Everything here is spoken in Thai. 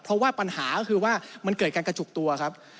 เพราะว่าปัญหาก็คือว่ามันเกิดการกระจุกตัวครับ